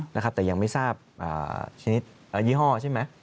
แต่ยังไม่ทราบชนิดยี่ห้อใช่ไหม